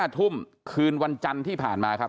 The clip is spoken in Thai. ๕ทุ่มคืนวันจันทร์ที่ผ่านมาครับ